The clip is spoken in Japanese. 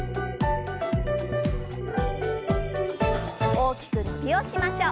大きく伸びをしましょう。